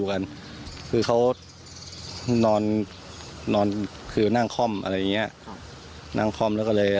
ซึ่งเสียงปืนแล้วแล้วที่เขานั่งค่อม